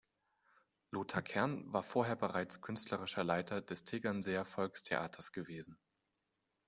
Lothar Kern war vorher bereits künstlerischer Leiter des "Tegernseer Volkstheaters" gewesen.